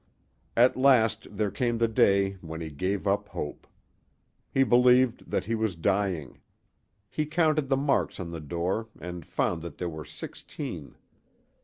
At last there came the day when he gave up hope. He believed that he was dying. He counted the marks on the door and found that there were sixteen.